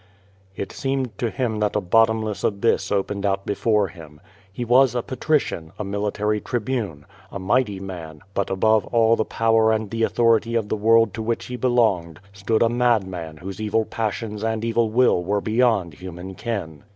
It seemed to him that a bottomless abyss opened out before him. He was a patrician, a military tribune, a mighty man, but above all the power and the authority of the world to which he belonged stood a madman whose evil passions and evil will were beyond human ken.